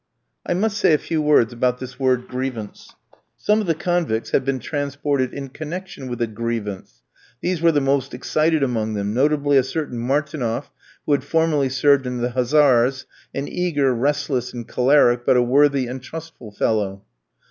I must say a few words about this word "grievance." Some of the convicts had been transported in connection with a "grievance;" these were the most excited among them, notably a certain Martinoff, who had formerly served in the Hussars, an eager, restless, and choleric, but a worthy and truthful, fellow.